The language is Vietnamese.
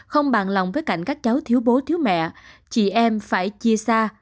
không bàn lòng với cảnh các cháu thiếu bố thiếu mẹ chị em phải chia xa